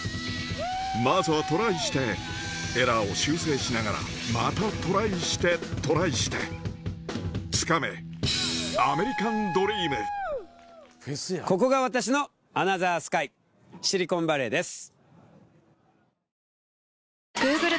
まずはトライしてエラーを修正しながらまたトライしてトライしてつかめアメリカンドリームここが私のアナザースカイシリコンバレーです。